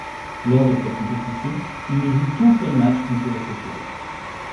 Lors de cette compétition, il ne joue qu'un seul match, contre les Seychelles.